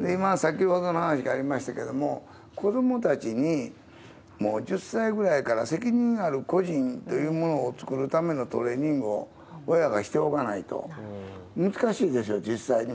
今、先ほどの話ありましたけれども、子どもたちに、もう１０歳ぐらいから責任ある個人というものを作るためのトレーニングを親がしておかないと難しいですよ、実際に。